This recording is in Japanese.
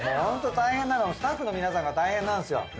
ホント大変なのはスタッフの皆さんが大変なんすよ。